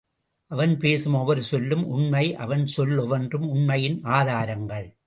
அவன்பேசும் ஒவ்வொரு சொல்லும் உண்மை அவன் சொல் ஒவ்வொன்றும் உண்மையின் ஆதாரங்கள்!